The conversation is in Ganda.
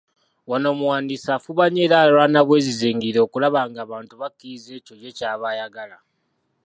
Wano omuwandiisi afuba nnyo era alwana bwezizingirire okulaba ng’abantu bakkiriza ekyo ye ky’aba ayagala.